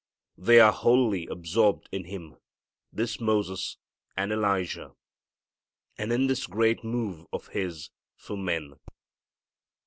They are wholly absorbed in Him, this Moses, and Elijah, and in this great move of His for men.